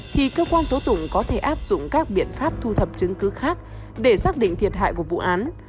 thì cơ quan tố tụng có thể áp dụng các biện pháp thu thập chứng cứ khác để xác định thiệt hại của vụ án